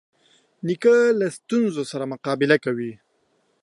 نیکه له ستونزو سره مقابله کړې وي.